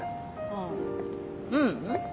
あぁううん。